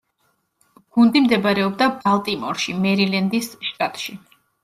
გუნდი მდებარეობდა ბალტიმორში, მერილენდის შტატში.